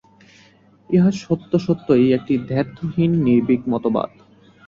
ইহা সত্যসত্যই একটি দ্ব্যর্থহীন নির্ভীক মতবাদ।